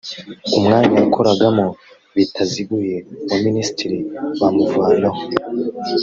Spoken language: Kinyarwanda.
umwanya yakoranagamo bitaziguye wa minisitiri bamuvanaho